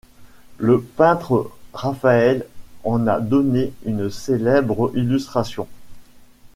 Le peintre Raphaël en a donné une célèbre illustration.